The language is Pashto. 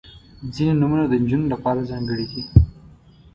• ځینې نومونه د نجونو لپاره ځانګړي دي.